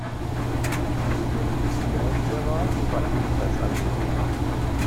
Die Kollegin Georgieva war ebenfalls anwesend.